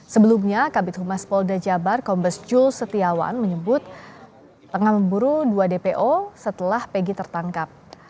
sebelumnya kabit humas polda jabar kombes jul setiawan menyebut tengah memburu dua dpo setelah pegi tertangkap